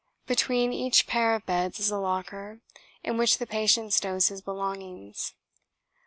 Between each pair of beds is a locker in which the patient stows his belongings.